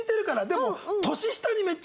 でも。